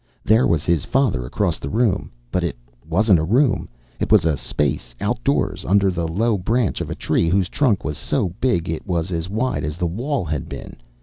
There was his father across the room. But it wasn't a room. It was a space outdoors under the low branch of a tree whose trunk was so big it was as wide as the wall had been.